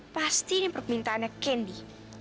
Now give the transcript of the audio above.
pasti ini permintaannya candy